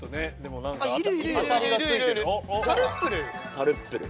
タルップル。